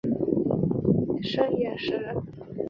盛彦师人。